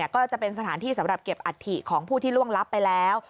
ก็จะเป็นสถานที่สำหรับเก็บอัฐิของผู้ที่ล่วงลับไปแล้ว